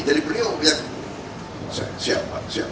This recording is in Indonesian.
jadi beliau yang siap